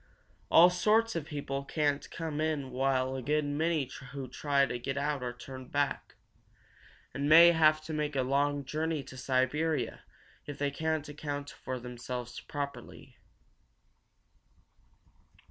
All sorts of people can't come in while a good many who try to get out are turned back, and may have to make a long journey to Siberia if they cannot account for themselves properly.